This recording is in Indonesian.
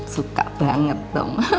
suka banget dong